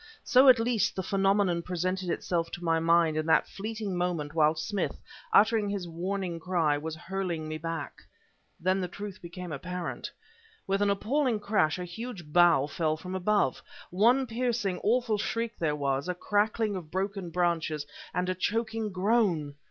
So, at least, the phenomenon presented itself to my mind in that fleeting moment while Smith, uttering his warning cry, was hurling me back. Then the truth became apparent. With an appalling crash, a huge bough fell from above. One piercing, awful shriek there was, a crackling of broken branches, and a choking groan...